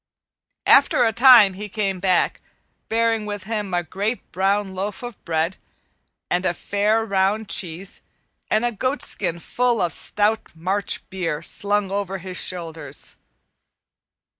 After a time he came back, bearing with him a great brown loaf of bread, and a fair, round cheese, and a goatskin full of stout March beer, slung over his shoulders.